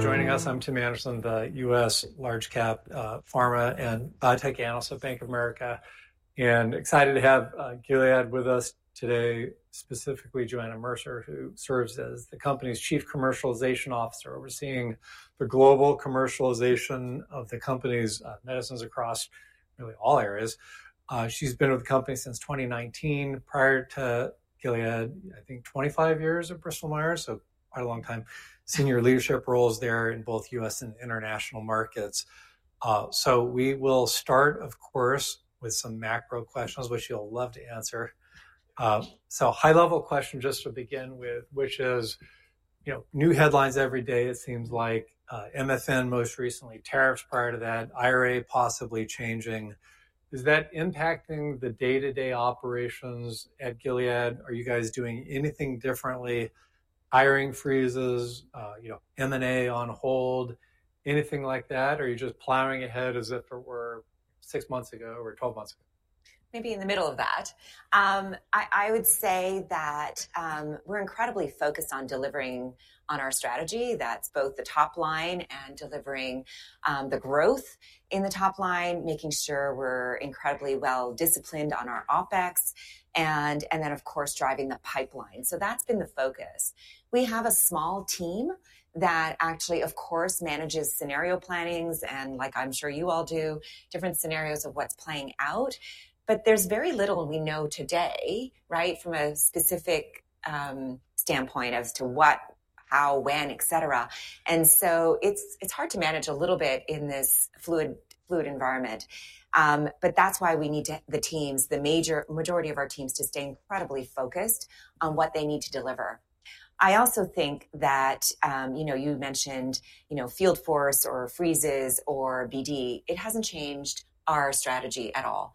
Joining us, I'm Tim Anderson, the U.S. large-cap pharma and biotech analyst at Bank of America. Excited to have Gilead with us today, specifically Johanna Mercier, who serves as the company's Chief Commercialization Officer, overseeing the global commercialization of the company's medicines across really all areas. She's been with the company since 2019. Prior to Gilead, I think 25 years at Bristol-Myers, so quite a long time, senior leadership roles there in both U.S. and international markets. We will start, of course, with some macro questions, which you'll love to answer. High-level question, just to begin with, which is, you know, new headlines every day, it seems like. MFN most recently, tariffs prior to that, IRA possibly changing. Is that impacting the day-to-day operations at Gilead? Are you guys doing anything differently? Hiring freezes, you know, M&A on hold, anything like that? Are you just plowing ahead as if it were six months ago or twelve months ago? Maybe in the middle of that. I would say that we're incredibly focused on delivering on our strategy. That's both the top line and delivering the growth in the top line, making sure we're incredibly well-disciplined on our OpEx, and then, of course, driving the pipeline. So that's been the focus. We have a small team that actually, of course, manages scenario plannings, and like I'm sure you all do, different scenarios of what's playing out. There is very little we know today, right, from a specific standpoint as to what, how, when, et cetera. It is hard to manage a little bit in this fluid environment. That is why we need the teams, the majority of our teams, to stay incredibly focused on what they need to deliver. I also think that, you know, you mentioned, you know, Field Force or Freezes or BD, it hasn't changed our strategy at all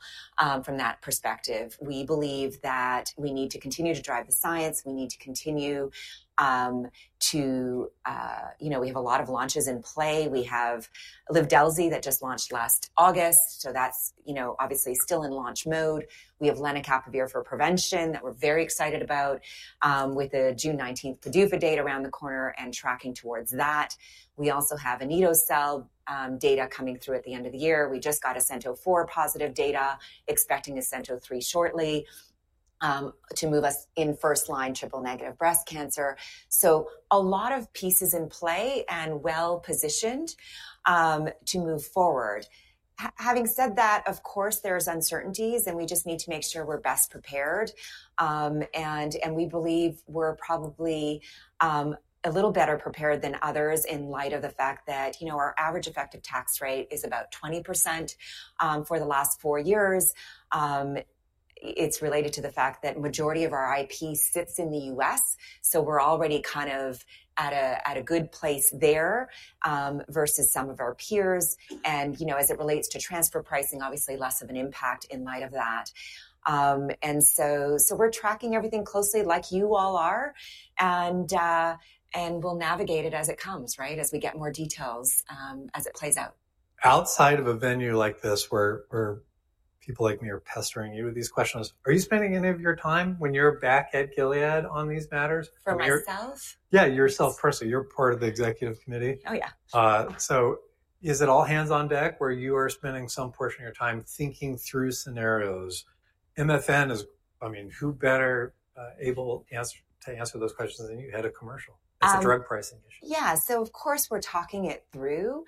from that perspective. We believe that we need to continue to drive the science. We need to continue to, you know, we have a lot of launches in play. We have Livdelzi that just launched last August. That is, you know, obviously still in launch mode. We have lenacapavir for prevention that we're very excited about, with the June 19 PDUFA date around the corner and tracking towards that. We also have Anito-Cel data coming through at the end of the year. We just got ASCENT-04 positive data, expecting ASCENT-03 shortly to move us in first line triple negative breast cancer. A lot of pieces in play and well-positioned to move forward. Having said that, of course, there's uncertainties, and we just need to make sure we're best prepared. We believe we're probably a little better prepared than others in light of the fact that, you know, our average effective tax rate is about 20% for the last four years. It's related to the fact that the majority of our IP sits in the U.S. We're already kind of at a good place there versus some of our peers. You know, as it relates to transfer pricing, obviously less of an impact in light of that. We're tracking everything closely like you all are, and we'll navigate it as it comes, right, as we get more details as it plays out. Outside of a venue like this where people like me are pestering you with these questions, are you spending any of your time when you're back at Gilead on these matters? For myself? Yeah, yourself personally. You're part of the executive committee. Oh, yeah. Is it all hands on deck where you are spending some portion of your time thinking through scenarios? MFN is, I mean, who better able to answer those questions than you, head of commercial? It's a drug pricing issue. Yeah. Of course, we're talking it through.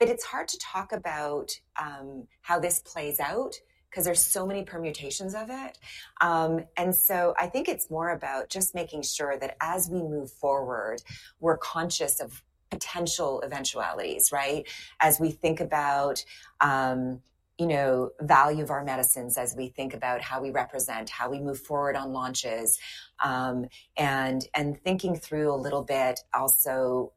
It's hard to talk about how this plays out because there are so many permutations of it. I think it's more about just making sure that as we move forward, we're conscious of potential eventualities, right? As we think about, you know, the value of our medicines, as we think about how we represent, how we move forward on launches, and thinking through a little bit also,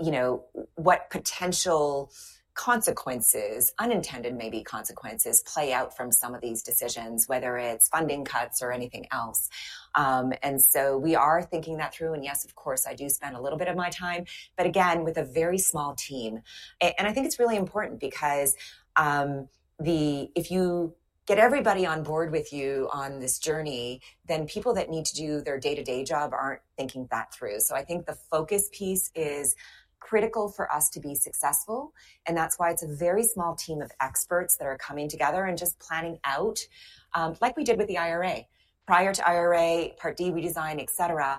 you know, what potential consequences, unintended maybe consequences, play out from some of these decisions, whether it's funding cuts or anything else. We are thinking that through. Yes, I do spend a little bit of my time, but again, with a very small team. I think it's really important because if you get everybody on board with you on this journey, then people that need to do their day-to-day job aren't thinking that through. I think the focus piece is critical for us to be successful. That's why it's a very small team of experts that are coming together and just planning out, like we did with the IRA. Prior to IRA, Part D, we design, et cetera,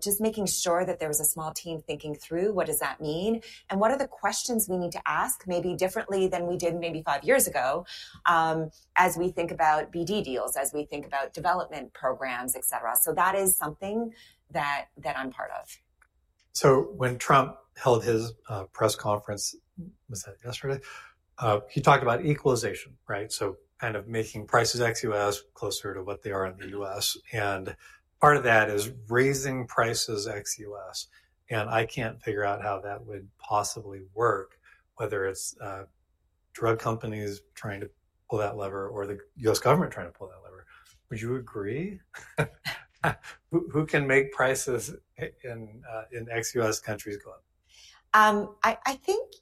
just making sure that there was a small team thinking through what does that mean and what are the questions we need to ask maybe differently than we did maybe five years ago as we think about BD deals, as we think about development programs, et cetera. That is something that I'm part of. When Trump held his press conference, was that yesterday? He talked about equalization, right? Kind of making prices ex U.S. closer to what they are in the U.S. Part of that is raising prices ex-U.S. I can't figure out how that would possibly work, whether it's drug companies trying to pull that lever or the U.S. government trying to pull that lever. Would you agree? Who can make prices in ex-U.S. countries go up? I think,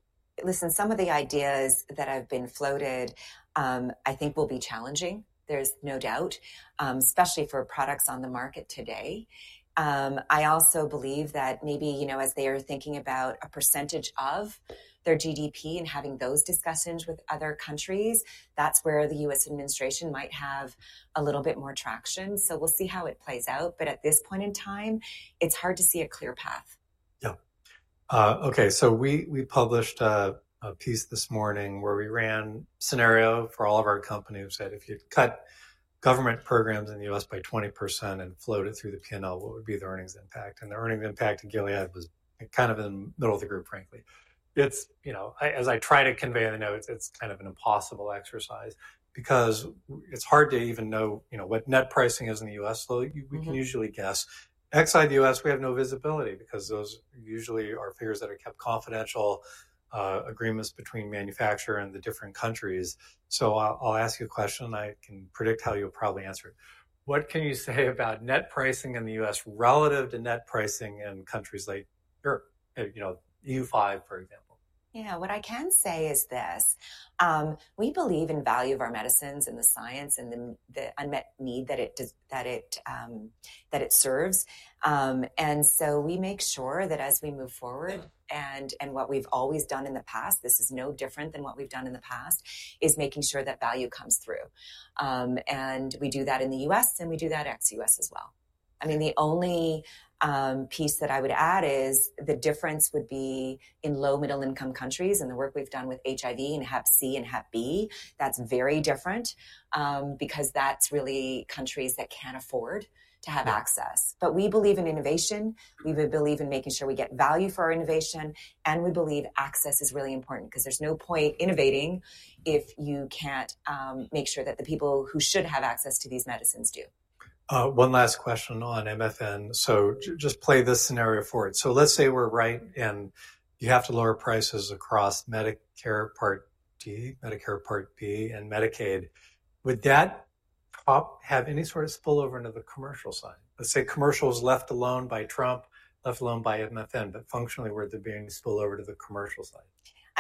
listen, some of the ideas that have been floated, I think will be challenging, there's no doubt, especially for products on the market today. I also believe that maybe, you know, as they are thinking about a percentage of their GDP and having those discussions with other countries, that's where the U.S. administration might have a little bit more traction. We'll see how it plays out. At this point in time, it's hard to see a clear path. Yeah. Okay. So we published a piece this morning where we ran a scenario for all of our companies that if you'd cut government programs in the U.S. by 20% and float it through the P&L, what would be the earnings impact? And the earnings impact at Gilead was kind of in the middle of the group, frankly. It's, you know, as I try to convey in the notes, it's kind of an impossible exercise because it's hard to even know, you know, what net pricing is in the U.S. So we can usually guess. Ex-U.S., we have no visibility because those usually are figures that are kept confidential, agreements between manufacturers and the different countries. So I'll ask you a question, and I can predict how you'll probably answer it. What can you say about net pricing in the U.S. relative to net pricing in countries like Europe, you know, EU 5, for example? Yeah. What I can say is this. We believe in the value of our medicines and the science and the unmet need that it serves. We make sure that as we move forward, and what we've always done in the past, this is no different than what we've done in the past, is making sure that value comes through. We do that in the U.S., and we do that ex-U.S. as well. I mean, the only piece that I would add is the difference would be in low middle-income countries and the work we've done with HIV and Hep C and Hep B. That's very different because that's really countries that can't afford to have access. We believe in innovation. We believe in making sure we get value for our innovation. We believe access is really important because there's no point innovating if you can't make sure that the people who should have access to these medicines do. One last question on MFN. Just play this scenario for it. Let's say we're right and you have to lower prices across Medicare Part D, Medicare Part B, and Medicaid. Would that have any sort of spillover into the commercial side? Let's say commercial is left alone by Trump, left alone by MFN, but functionally, would there be a spillover to the commercial side?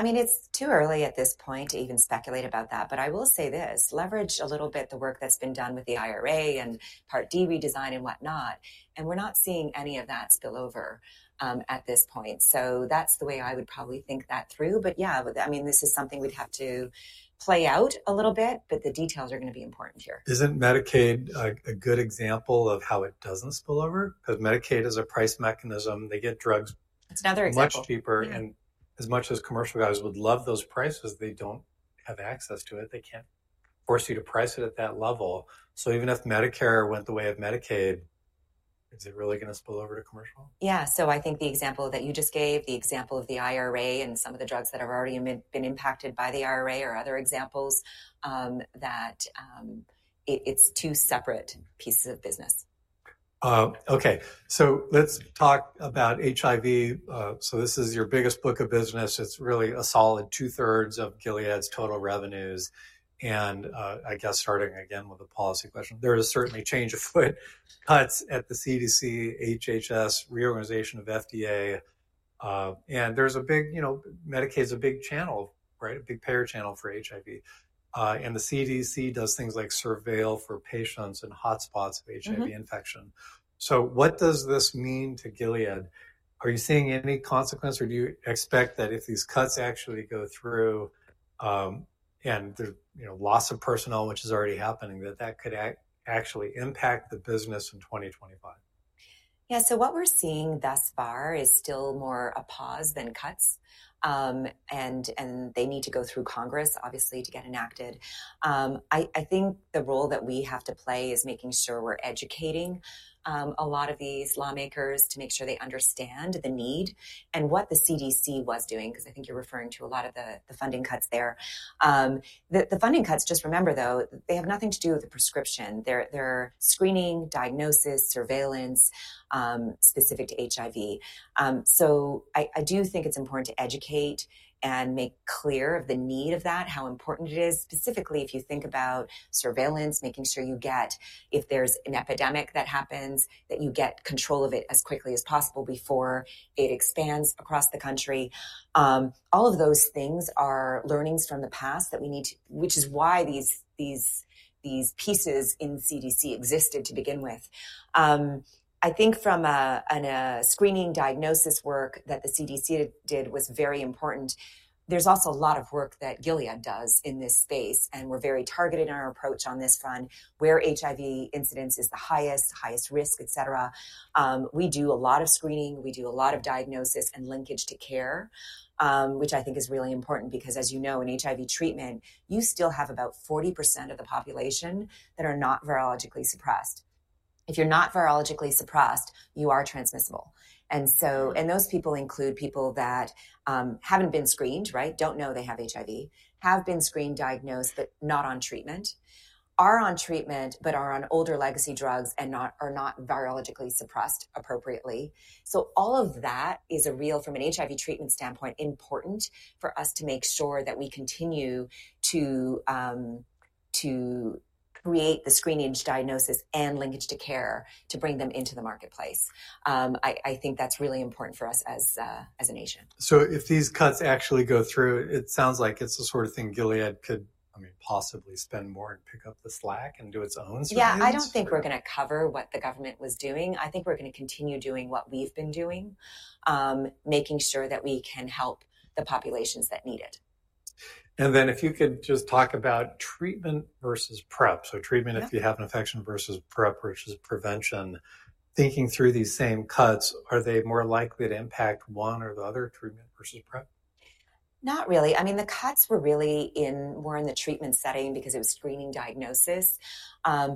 I mean, it's too early at this point to even speculate about that. I will say this, leverage a little bit the work that's been done with the IRA and Part D redesign and whatnot. We're not seeing any of that spillover at this point. That's the way I would probably think that through. Yeah, I mean, this is something we'd have to play out a little bit, but the details are going to be important here. Isn't Medicaid a good example of how it doesn't spill over? Because Medicaid is a price mechanism. They get drugs. That's another example. Much cheaper. As much as commercial guys would love those prices, they do not have access to it. They cannot force you to price it at that level. Even if Medicare went the way of Medicaid, is it really going to spill over to commercial? Yeah. I think the example that you just gave, the example of the IRA and some of the drugs that have already been impacted by the IRA are other examples that it's two separate pieces of business. Okay. Let's talk about HIV. This is your biggest book of business. It's really a solid two-thirds of Gilead's total revenues. I guess starting again with a policy question, there is certainly change afoot, cuts at the CDC, HHS, reorganization of FDA. There's a big, you know, Medicaid's a big channel, right? A big payer channel for HIV. The CDC does things like surveil for patients and hotspots of HIV infection. What does this mean to Gilead? Are you seeing any consequence, or do you expect that if these cuts actually go through and there's, you know, loss of personnel, which is already happening, that that could actually impact the business in 2025? Yeah. What we're seeing thus far is still more a pause than cuts. They need to go through Congress, obviously, to get enacted. I think the role that we have to play is making sure we're educating a lot of these lawmakers to make sure they understand the need and what the CDC was doing, because I think you're referring to a lot of the funding cuts there. The funding cuts, just remember though, they have nothing to do with the prescription. They're screening, diagnosis, surveillance specific to HIV. I do think it's important to educate and make clear of the need of that, how important it is, specifically if you think about surveillance, making sure you get, if there's an epidemic that happens, that you get control of it as quickly as possible before it expands across the country. All of those things are learnings from the past that we need to, which is why these pieces in CDC existed to begin with. I think from a screening diagnosis work that the CDC did was very important. There's also a lot of work that Gilead does in this space. And we're very targeted in our approach on this front, where HIV incidence is the highest, highest risk, et cetera. We do a lot of screening. We do a lot of diagnosis and linkage to care, which I think is really important because, as you know, in HIV treatment, you still have about 40% of the population that are not virologically suppressed. If you're not virologically suppressed, you are transmissible. And those people include people that haven't been screened, right? Don't know they have HIV, have been screened, diagnosed, but not on treatment, are on treatment, but are on older legacy drugs and are not virologically suppressed appropriately. All of that is a real, from an HIV treatment standpoint, important for us to make sure that we continue to create the screenage, diagnosis, and linkage to care to bring them into the marketplace. I think that's really important for us as a nation. If these cuts actually go through, it sounds like it's the sort of thing Gilead could, I mean, possibly spend more and pick up the slack and do its own screening. Yeah, I don't think we're going to cover what the government was doing. I think we're going to continue doing what we've been doing, making sure that we can help the populations that need it. If you could just talk about treatment versus PrEP. Treatment, if you have an infection, versus PrEP, which is prevention. Thinking through these same cuts, are they more likely to impact one or the other, treatment versus PrEP? Not really. I mean, the cuts were really more in the treatment setting because it was screening, diagnosis.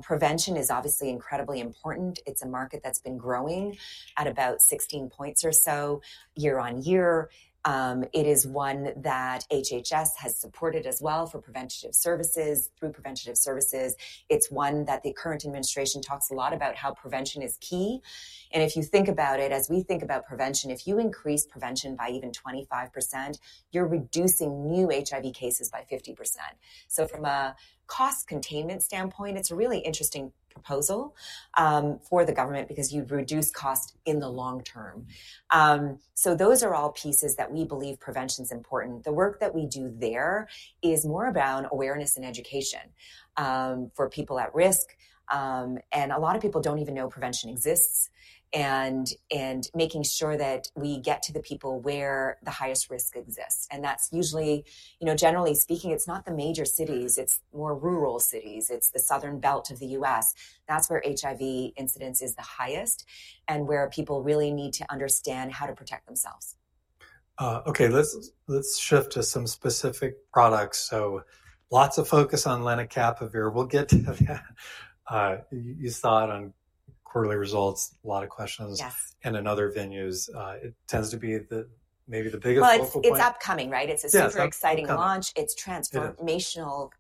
Prevention is obviously incredibly important. It's a market that's been growing at about 16 percentage points or so year on year. It is one that HHS has supported as well for preventative services. Through preventative services, it's one that the current administration talks a lot about how prevention is key. If you think about it, as we think about prevention, if you increase prevention by even 25%, you're reducing new HIV cases by 50%. From a cost containment standpoint, it's a really interesting proposal for the government because you've reduced costs in the long term. Those are all pieces that we believe prevention is important. The work that we do there is more around awareness and education for people at risk. A lot of people do not even know prevention exists. Making sure that we get to the people where the highest risk exists, that is usually, you know, generally speaking, it is not the major cities. It is more rural cities. It is the southern belt of the U.S. That is where HIV incidence is the highest and where people really need to understand how to protect themselves. Okay. Let's shift to some specific products. Lots of focus on lenacapavir. We'll get to that. You saw it on quarterly results, a lot of questions. Yes. In other venues, it tends to be maybe the biggest focus point. It's upcoming, right? It's a super exciting launch. It's transformational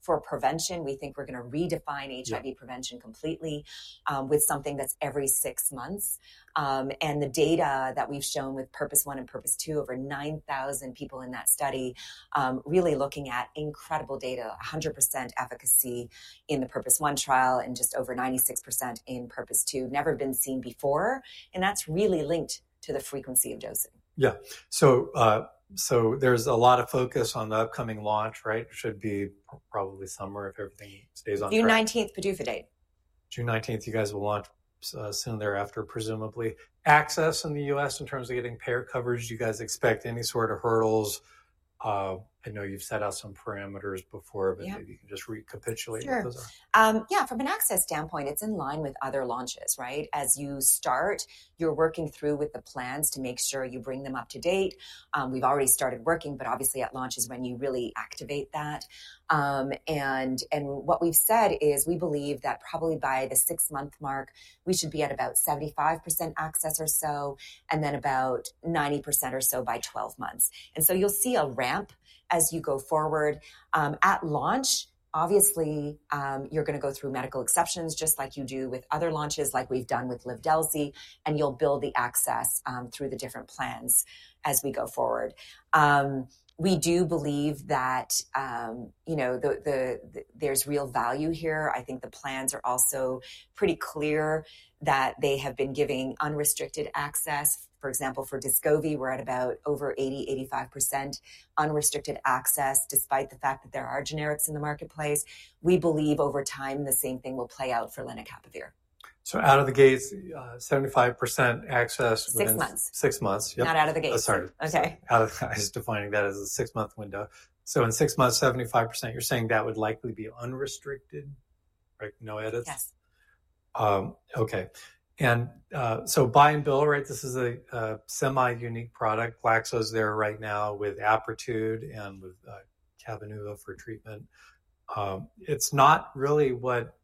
for prevention. We think we're going to redefine HIV prevention completely with something that's every six months. The data that we've shown with PURPOSE 1 and PURPOSE 2, over 9,000 people in that study, really looking at incredible data, 100% efficacy in the PURPOSE 1 trial and just over 96% in PURPOSE 2, never been seen before. That's really linked to the frequency of dosing. Yeah. So there's a lot of focus on the upcoming launch, right? It should be probably summer if everything stays on track. June 19, PDUFA date. June 19th, you guys will launch soon thereafter, presumably. Access in the U.S. in terms of getting payer coverage, do you guys expect any sort of hurdles? I know you've set out some parameters before, but maybe you can just recapitulate those are. Yeah. From an access standpoint, it's in line with other launches, right? As you start, you're working through with the plans to make sure you bring them up to date. We've already started working, but obviously at launch is when you really activate that. What we've said is we believe that probably by the six-month mark, we should be at about 75% access or so, and then about 90% or so by 12 months. You'll see a ramp as you go forward. At launch, obviously, you're going to go through medical exceptions just like you do with other launches, like we've done with Livdelzi, and you'll build the access through the different plans as we go forward. We do believe that, you know, there's real value here. I think the plans are also pretty clear that they have been giving unrestricted access. For example, for Descovy, we're at about over 80-85% unrestricted access despite the fact that there are generics in the marketplace. We believe over time the same thing will play out for lenacapavir. Out of the gates, 75% access. Six months. Six months. Not out of the gates. I'm sorry. Okay. I was defining that as a six-month window. So in six months, 75%, you're saying that would likely be unrestricted, right? No edits. Yes. Okay. And so buy-and-bill, right? This is a semi-unique product. Glaxo's there right now with Apretude and with Cabenuva for treatment. It's not really what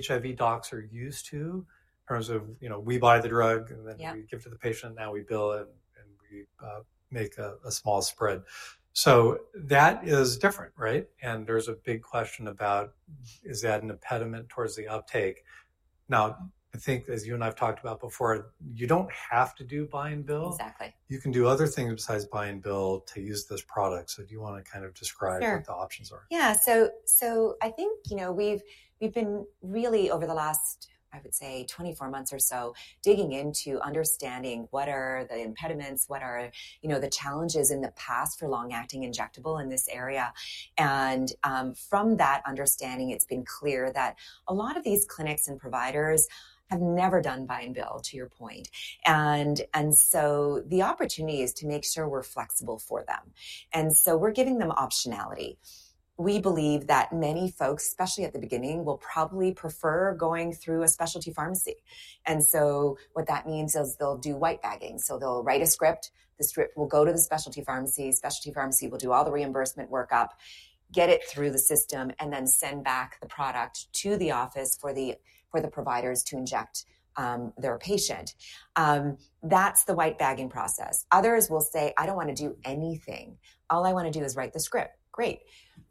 HIV docs are used to in terms of, you know, we buy the drug and then we give it to the patient, now we bill it and we make a small spread. So that is different, right? And there's a big question about, is that an impediment towards the uptake? Now, I think as you and I've talked about before, you don't have to do buy-and-bill. Exactly. You can do other things besides buy-and-bill to use this product. Do you want to kind of describe what the options are? Sure. Yeah. So I think, you know, we've been really over the last, I would say, 24 months or so digging into understanding what are the impediments, what are, you know, the challenges in the past for long-acting injectable in this area. From that understanding, it's been clear that a lot of these clinics and providers have never done buy-and-bill, to your point. The opportunity is to make sure we're flexible for them. We're giving them optionality. We believe that many folks, especially at the beginning, will probably prefer going through a specialty pharmacy. What that means is they'll do white bagging. They'll write a script. The script will go to the specialty pharmacy. Specialty pharmacy will do all the reimbursement workup, get it through the system, and then send back the product to the office for the providers to inject their patient. That's the white bagging process. Others will say, "I don't want to do anything. All I want to do is write the script." Great.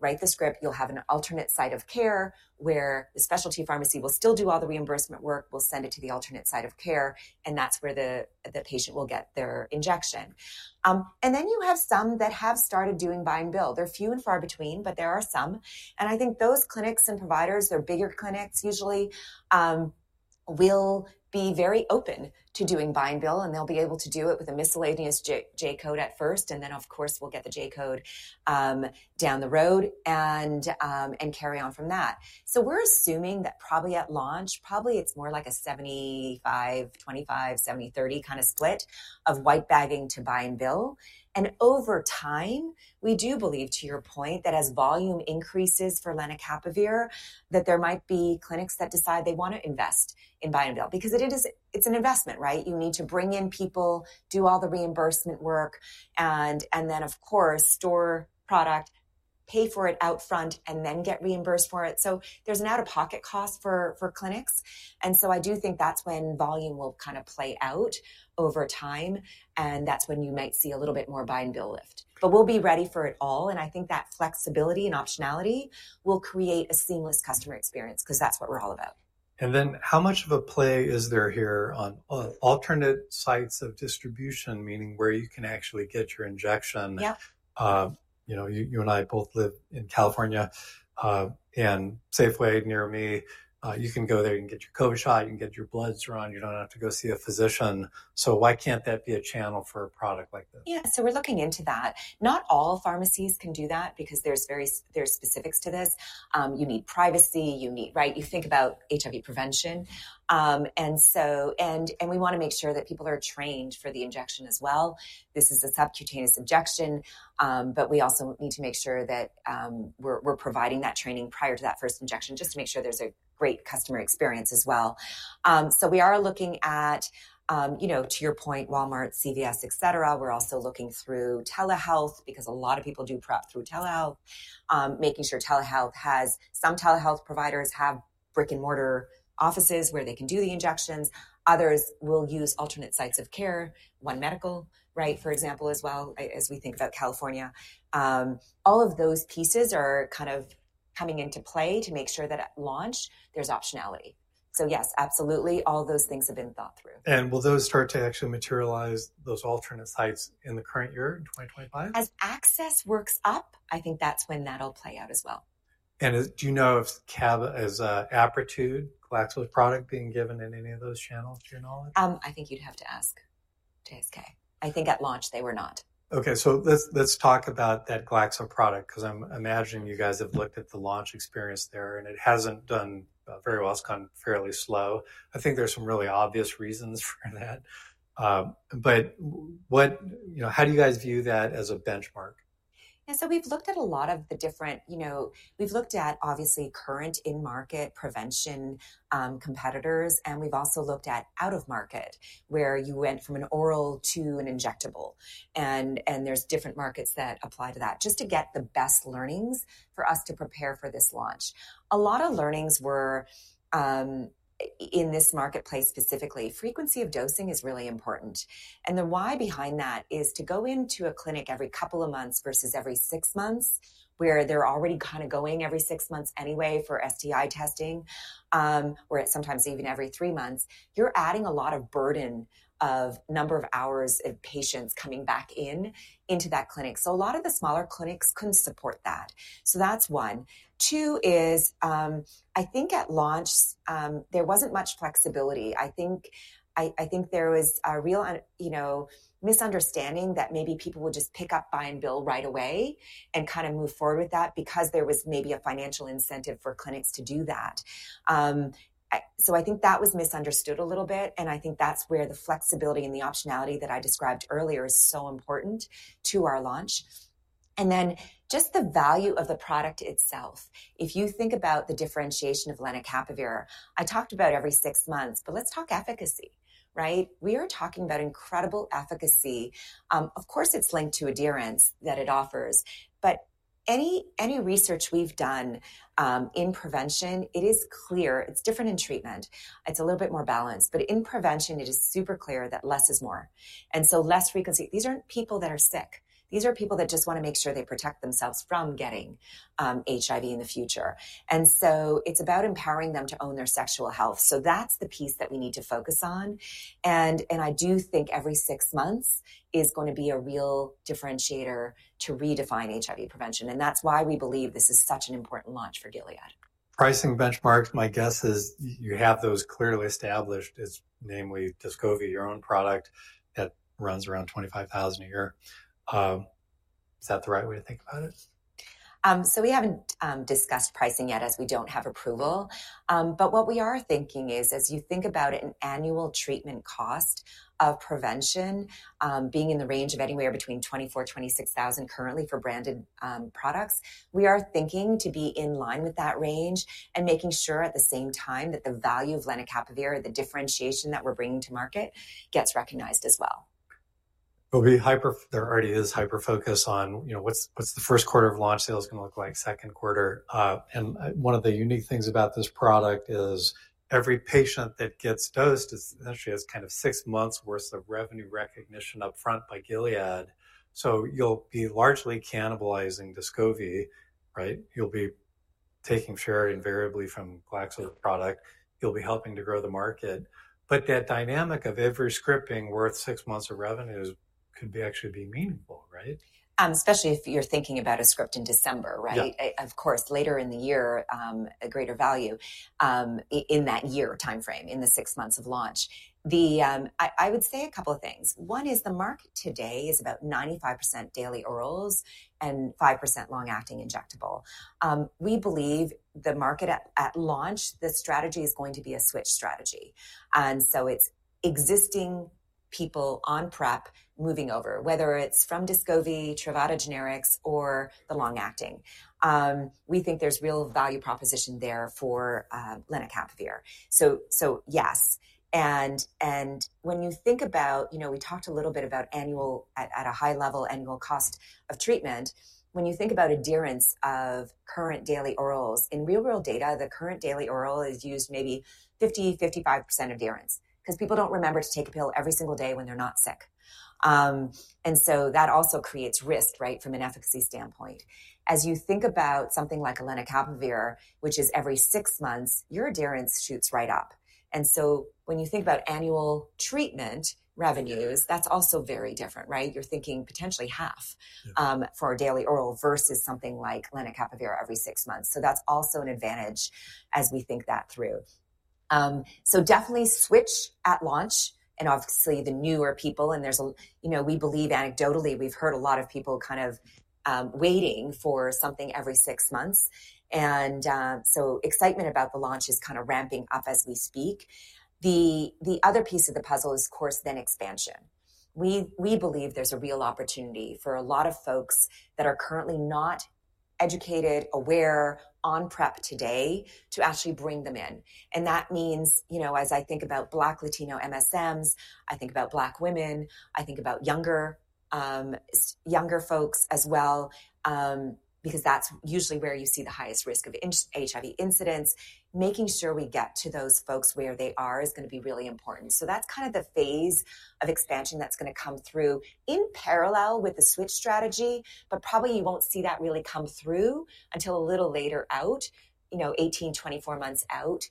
Write the script. You'll have an alternate site of care where the specialty pharmacy will still do all the reimbursement work. We'll send it to the alternate site of care. That's where the patient will get their injection. You have some that have started doing buy-and-bill. They're few and far between, but there are some. I think those clinics and providers, they're bigger clinics usually, will be very open to doing buy-and-bill. They'll be able to do it with a miscellaneous J-code at first. Of course, we'll get the J-code down the road and carry on from that. We're assuming that, probably at launch, it's more like a 75-25, 70-30 kind of split of white bagging to buy-and-bill. Over time, we do believe, to your point, that as volume increases for lenacapavir, there might be clinics that decide they want to invest in buy-and-bill because it's an investment, right? You need to bring in people, do all the reimbursement work, and then, of course, store product, pay for it out front, and then get reimbursed for it. There's an out-of-pocket cost for clinics. I do think that's when volume will kind of play out over time. That's when you might see a little bit more buy-and-bill lift. We'll be ready for it all. I think that flexibility and optionality will create a seamless customer experience because that's what we're all about. How much of a play is there here on alternate sites of distribution, meaning where you can actually get your injection? Yeah. You know, you and I both live in California, and Safeway near me. You can go there and get your COVID shot. You can get your bloods drawn. You do not have to go see a physician. So why cannot that be a channel for a product like this? Yeah. So we're looking into that. Not all pharmacies can do that because there's specifics to this. You need privacy. You need, right? You think about HIV prevention. And we want to make sure that people are trained for the injection as well. This is a subcutaneous injection. But we also need to make sure that we're providing that training prior to that first injection just to make sure there's a great customer experience as well. So we are looking at, you know, to your point, Walmart, CVS, et cetera. We're also looking through telehealth because a lot of people do PrEP through telehealth, making sure telehealth has some telehealth providers have brick-and-mortar offices where they can do the injections. Others will use alternate sites of care, One Medical, right, for example, as well as we think about California. All of those pieces are kind of coming into play to make sure that at launch there's optionality. Yes, absolutely. All those things have been thought through. Will those start to actually materialize, those alternate sites in the current year, in 2025? As access works up, I think that's when that'll play out as well. Do you know if Apretude, Glaxo's product, is being given in any of those channels, to your knowledge? I think you'd have to ask GSK. I think at launch they were not. Okay. Let's talk about that Glaxo product because I'm imagining you guys have looked at the launch experience there and it hasn't done very well. It's gone fairly slow. I think there are some really obvious reasons for that. How do you guys view that as a benchmark? Yeah. So we've looked at a lot of the different, you know, we've looked at obviously current in-market prevention competitors. And we've also looked at out-of-market where you went from an oral to an injectable. And there's different markets that apply to that just to get the best learnings for us to prepare for this launch. A lot of learnings were in this marketplace specifically, frequency of dosing is really important. And the why behind that is to go into a clinic every couple of months versus every six months where they're already kind of going every six months anyway for STI testing, where sometimes even every three months, you're adding a lot of burden of number of hours of patients coming back in into that clinic. So a lot of the smaller clinics couldn't support that. So that's one. Two is I think at launch there wasn't much flexibility. I think there was a real, you know, misunderstanding that maybe people will just pick up buy-and-bill right away and kind of move forward with that because there was maybe a financial incentive for clinics to do that. I think that was misunderstood a little bit. I think that's where the flexibility and the optionality that I described earlier is so important to our launch. Then just the value of the product itself. If you think about the differentiation of lenacapavir, I talked about every six months, but let's talk efficacy, right? We are talking about incredible efficacy. Of course, it's linked to adherence that it offers. Any research we've done in prevention, it is clear it's different in treatment. It's a little bit more balanced. In prevention, it is super clear that less is more. Less frequency, these aren't people that are sick. These are people that just want to make sure they protect themselves from getting HIV in the future. It is about empowering them to own their sexual health. That is the piece that we need to focus on. I do think every six months is going to be a real differentiator to redefine HIV prevention. That is why we believe this is such an important launch for Gilead. Pricing benchmarks, my guess is you have those clearly established. It's namely Descovy, your own product that runs around $25,000 a year. Is that the right way to think about it? We haven't discussed pricing yet as we don't have approval. What we are thinking is as you think about an annual treatment cost of prevention being in the range of anywhere between $24,000-$26,000 currently for branded products, we are thinking to be in line with that range and making sure at the same time that the value of lenacapavir, the differentiation that we're bringing to market, gets recognized as well. There already is hyper-focus on, you know, what's the first quarter of launch sales going to look like, second quarter. One of the unique things about this product is every patient that gets dosed essentially has kind of six months' worth of revenue recognition upfront by Gilead. You'll be largely cannibalizing Descovy, right? You'll be taking share invariably from Glaxo's product. You'll be helping to grow the market. That dynamic of every scripting worth six months of revenue could actually be meaningful, right? Especially if you're thinking about a script in December, right? Of course, later in the year, a greater value in that year timeframe, in the six months of launch. I would say a couple of things. One is the market today is about 95% daily orals and 5% long-acting injectable. We believe the market at launch, the strategy is going to be a switch strategy. It is existing people on PrEP moving over, whether it's from Descovy, Truvada generics, or the long-acting. We think there's real value proposition there for lenacapavir. Yes. And when you think about, you know, we talked a little bit about annual, at a high level, annual cost of treatment. When you think about adherence of current daily orals, in real-world data, the current daily oral is used maybe 50%-55% adherence because people do not remember to take a pill every single day when they are not sick. That also creates risk, right, from an efficacy standpoint. As you think about something like a lenacapavir, which is every six months, your adherence shoots right up. When you think about annual treatment revenues, that is also very different, right? You are thinking potentially half for a daily oral versus something like lenacapavir every six months. That is also an advantage as we think that through. Definitely switch at launch. Obviously the newer people, and there is, you know, we believe anecdotally we have heard a lot of people kind of waiting for something every six months. Excitement about the launch is kind of ramping up as we speak. The other piece of the puzzle is, of course, then expansion. We believe there's a real opportunity for a lot of folks that are currently not educated, aware, on PrEP today to actually bring them in. And that means, you know, as I think about Black Latino MSMs, I think about Black women, I think about younger folks as well, because that's usually where you see the highest risk of HIV incidence. Making sure we get to those folks where they are is going to be really important. So that's kind of the phase of expansion that's going to come through in parallel with the switch strategy. But probably you won't see that really come through until a little later out, you know, 18-24 months out,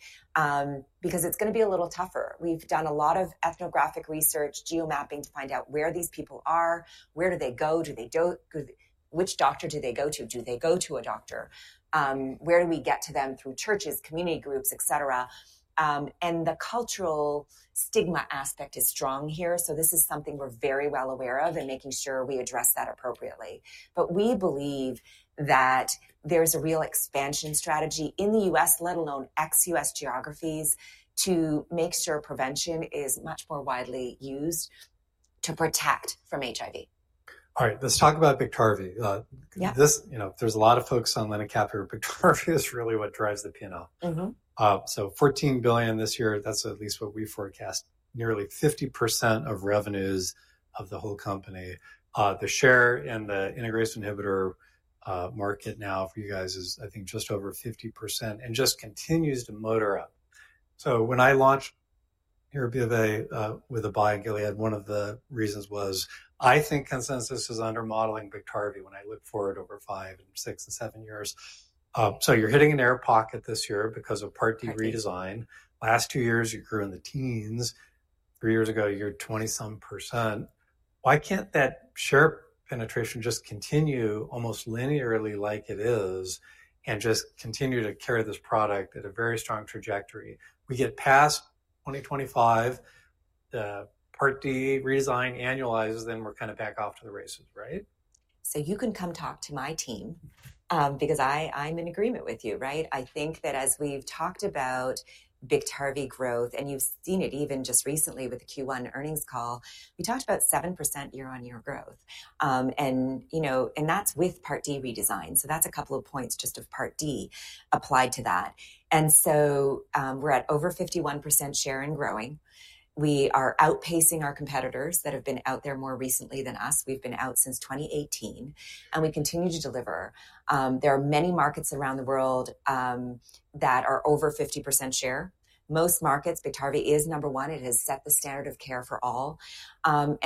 because it's going to be a little tougher. We've done a lot of ethnographic research, geomapping to find out where these people are, where do they go, do they go, which doctor do they go to, do they go to a doctor, where do we get to them through churches, community groups, et cetera. The cultural stigma aspect is strong here. This is something we're very well aware of and making sure we address that appropriately. We believe that there's a real expansion strategy in the U.S., let alone ex-U.S. geographies, to make sure prevention is much more widely used to protect from HIV. All right. Let's talk about Biktarvy. You know, there's a lot of folks on lenacapavir. Biktarvy is really what drives the P&L. So $14 billion this year, that's at least what we forecast, nearly 50% of revenues of the whole company. The share in the integrase inhibitor market now for you guys is, I think, just over 50% and just continues to motor up. When I launched here at BofA with a buy in Gilead, one of the reasons was I think consensus is under modeling Biktarvy when I look forward over five and six and seven years. You're hitting an air pocket this year because of part D redesign. Last two years you grew in the teens. Three years ago you're 20-some %. Why can't that share penetration just continue almost linearly like it is and just continue to carry this product at a very strong trajectory? We get past 2025, the Part D redesign annualizes, then we're kind of back off to the races, right? You can come talk to my team because I'm in agreement with you, right? I think that as we've talked about Biktarvy growth and you've seen it even just recently with the Q1 earnings call, we talked about 7% year-on-year growth. You know, and that's with part D redesign. That's a couple of points just of part D applied to that. We're at over 51% share and growing. We are outpacing our competitors that have been out there more recently than us. We've been out since 2018. We continue to deliver. There are many markets around the world that are over 50% share. Most markets, Biktarvy is number one. It has set the standard of care for all.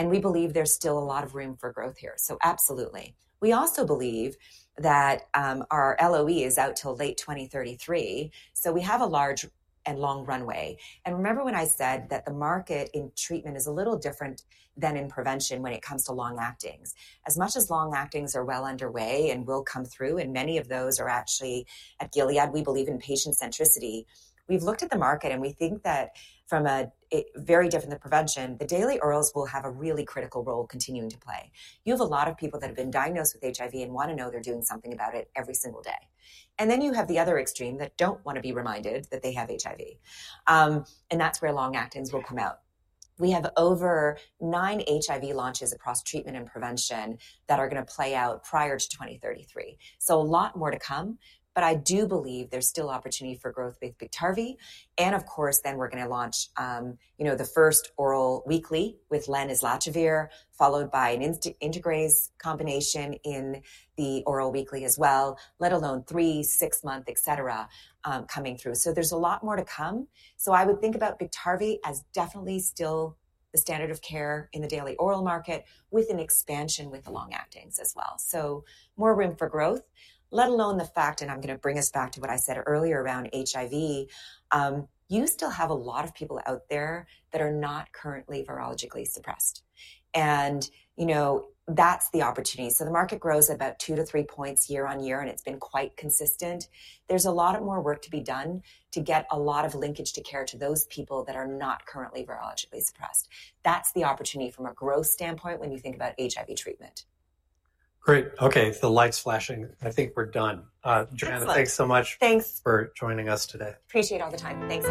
We believe there's still a lot of room for growth here. Absolutely. We also believe that our LOE is out till late 2033. We have a large and long runway. Remember when I said that the market in treatment is a little different than in prevention when it comes to long-actings. As much as long-actings are well underway and will come through, and many of those are actually at Gilead, we believe in patient centricity. We've looked at the market and we think that, very different than prevention, the daily orals will have a really critical role continuing to play. You have a lot of people that have been diagnosed with HIV and want to know they're doing something about it every single day. Then you have the other extreme that don't want to be reminded that they have HIV. That's where long-actings will come out. We have over nine HIV launches across treatment and prevention that are going to play out prior to 2033. A lot more to come. I do believe there's still opportunity for growth with Biktarvy. Of course, then we're going to launch, you know, the first oral weekly with lenacapavir, followed by an integrase combination in the oral weekly as well, let alone three, six-month, et cetera, coming through. There's a lot more to come. I would think about Biktarvy as definitely still the standard of care in the daily oral market with an expansion with the long-actings as well. More room for growth, let alone the fact, and I'm going to bring us back to what I said earlier around HIV, you still have a lot of people out there that are not currently virologically suppressed. You know, that's the opportunity. The market grows about 2-3 points year on year, and it's been quite consistent. There's a lot more work to be done to get a lot of linkage to care to those people that are not currently virologically suppressed. That's the opportunity from a growth standpoint when you think about HIV treatment. Great. Okay. The light's flashing. I think we're done. Johanna, thanks so much for joining us today. Appreciate all the time. Thanks.